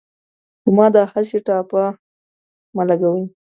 په ما داهسې ټاپه مه لګوۍ